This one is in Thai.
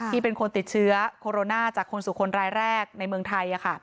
เป็นคนติดเชื้อโคโรนาจากคนสู่คนรายแรกในเมืองไทย